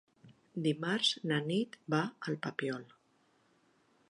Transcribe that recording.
Dimarts na Nit va al Papiol.